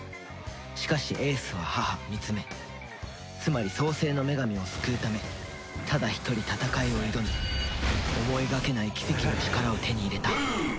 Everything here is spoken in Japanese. しかし英寿は母ミツメつまり創世の女神を救うためただ一人戦いを挑み思いがけない奇跡の力を手に入れた